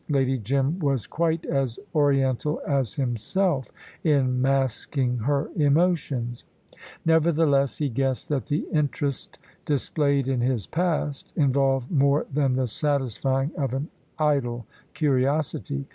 Lady Jim was quite as Oriental as himself in masking her emotions. Nevertheless, he guessed that the interest displayed in his past involved more than the satisfying of an idle curiosity.